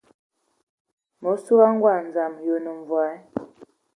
Ma sug a ngɔ dzam, yi onə mvɔí ?